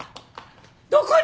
どこに！？